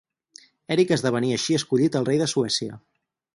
Eric esdevenia així escollit el rei de Suècia.